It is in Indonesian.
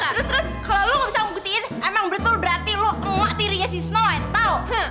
terus terus kalo lo ga bisa ngebuktiin emang betul berarti lo emak tirinya sisil snow white tau